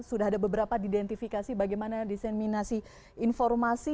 sudah ada beberapa diidentifikasi bagaimana diseminasi informasi